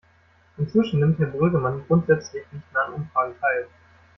Inzwischen nimmt Herr Brüggemann grundsätzlich nicht mehr an Umfragen teil.